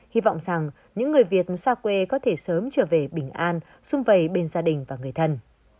hy vọng rằng những người việt xa quê có thể sớm trở về bình an xung vầy bên gia đình và người thân